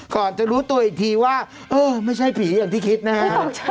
ก่อนจะรู้ตัวอีกทีว่าเออไม่ใช่ผีอย่างที่คิดนะฮะ